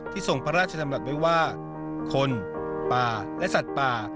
ทรงพระราชดำรัฐไว้ว่าคนป่าและสัตว์ป่า